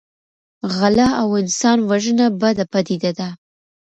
غلا او انسان وژنه بده پدیده ده.